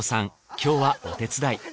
今日はお手伝い